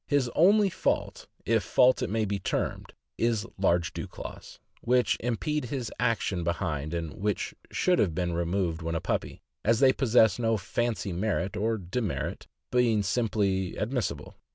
His only fault, if fault it may be termed, is large dew claws, which impede his action behind, and which should have been removed when a puppy, as they possess no " fancy" merit or demerit, being simply "admissible."